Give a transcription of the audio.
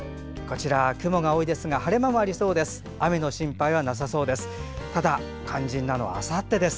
雲が多いですが晴れ間もありそうです。